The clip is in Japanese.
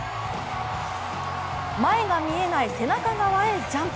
前が見えない背中側へジャンプ。